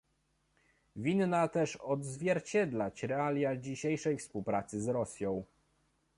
Winna też odzwierciedlać realia dzisiejszej współpracy z Rosją